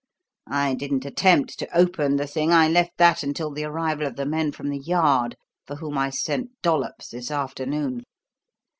I didn't attempt to open the thing; I left that until the arrival of the men from The Yard, for whom I sent Dollops this afternoon.